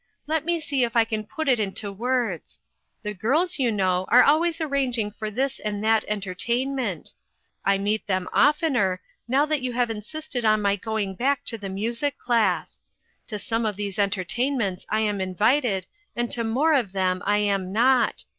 Let me see if I can put it into words. The girls, you know, are always arranging for this and that entertainment. I meet them oftener, now that you have insisted on my going back to the music class. To some of these entertainments I am invited, and to more of them I am not.